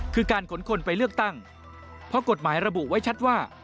คือการขนคนไปเลือกตั้งเพราะกฎหมายระบุไว้ชัดว่า